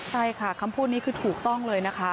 ใช่ค่ะคำพูดนี้คือถูกต้องเลยนะคะ